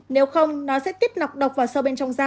nếu không nó sẽ tiết nọc độc vào sâu bên trong da